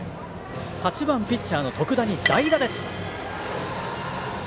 ８番、ピッチャーの徳田に代打です。